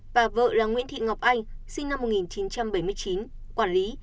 và vợ là nguyễn thị ngọc anh sinh năm một nghìn chín trăm bảy mươi chín quản lý